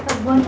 ke kebon siri